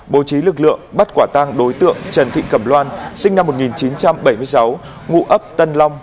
bố trí lực lượng bắt quả tang đối tượng trần thị cẩm loan sinh năm một nghìn chín trăm bảy mươi sáu ngụ ấp tân long